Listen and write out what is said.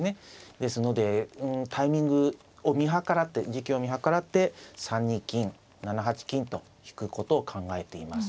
ですのでタイミングを見計らって時期を見計らって３二金７八金と引くことを考えています。